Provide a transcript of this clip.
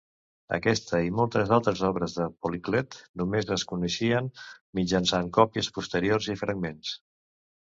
Aquesta i moltes altres obres de Policlet només es coneixen mitjançant còpies posteriors i fragments.